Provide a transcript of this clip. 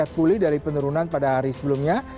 saham as pulih dari penurunan pada hari sebelumnya